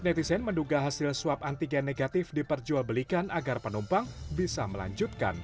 netizen menduga hasil swab antigen negatif diperjualbelikan agar penumpang bisa melanjutkan